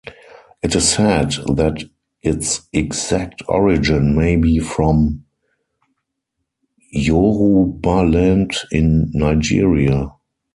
It is said that its exact origin may be from Yorubaland in Nigeria.